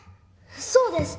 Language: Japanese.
そうです！